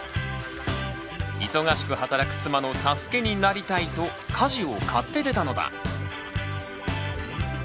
忙しく働く妻の助けになりたいと家事を買って出たのだ。